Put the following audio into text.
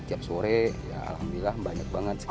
tiap sore ya alhamdulillah banyak banget sih